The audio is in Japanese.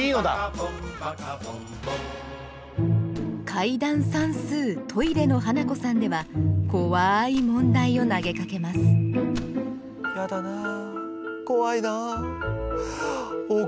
「解談算数トイレのハナコ算」では怖い問題を投げかけますがあ！